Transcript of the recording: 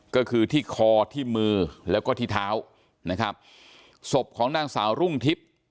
ก็คือที่คอที่มือแล้วก็ที่เท้านะครับศพของนางสาวรุ่งทิพย์